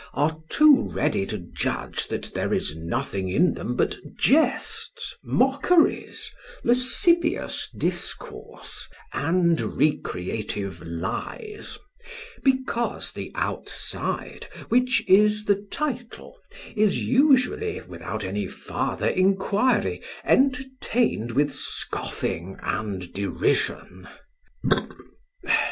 are too ready to judge that there is nothing in them but jests, mockeries, lascivious discourse, and recreative lies; because the outside (which is the title) is usually, without any farther inquiry, entertained with scoffing and derision.